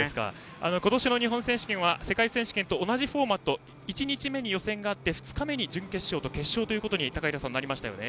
今年の日本選手権は世界選手権と同じフォーマット１日目に予選があって２日目に準決勝と決勝となりましたね。